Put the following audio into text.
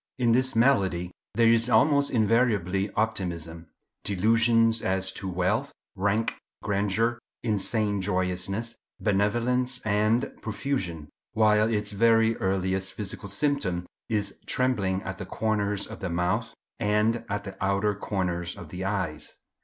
"In this malady there is almost invariably optimism—delusions as to wealth, rank, grandeur—insane joyousness, benevolence, and profusion, while its very earliest physical symptom is trembling at the corners of the mouth and at the outer corners of the eyes.